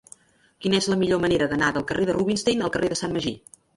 Quina és la millor manera d'anar del carrer de Rubinstein al carrer de Sant Magí?